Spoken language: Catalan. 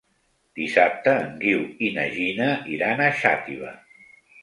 Dissabte en Guiu i na Gina iran a Xàtiva.